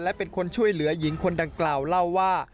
และเป็นคนช่วยเหลือหญิงคนดังกล่าวเล่าว่า